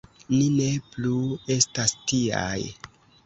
Ni ne plu estas tiaj!